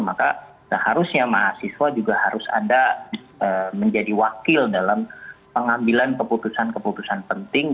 maka seharusnya mahasiswa juga harus ada menjadi wakil dalam pengambilan keputusan keputusan penting